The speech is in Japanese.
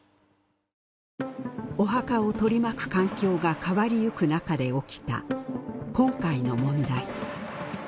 お墓を取り巻く環境が変わりゆくなかで起きた今回の問題。